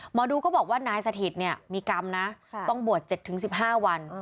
หมอดูก็บอกว่านายสถิตเนี่ยมีกรรมนะต้องบวช๗๑๕วัน